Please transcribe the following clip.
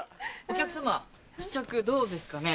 お客様試着どうですかね？